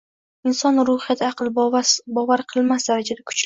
Inson ruhiyati aql bovar qilmas darajada kuchli.